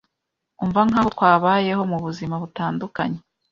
Umva nkaho twabayeho mubuzima butandukanye